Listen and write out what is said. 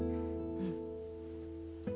うん。